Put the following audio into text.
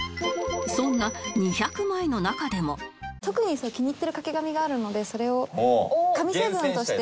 そんな特に気に入っている掛け紙があるのでそれを紙７として紹介したく。